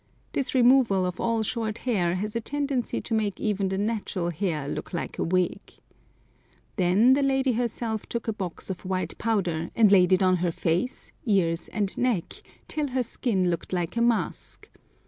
This removal of all short hair has a tendency to make even the natural hair look like a wig. Then the lady herself took a box of white powder, and laid it on her face, ears, and neck, till her skin looked like a mask.